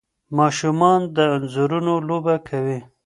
ماشومان د انځورونو لوبه کوي.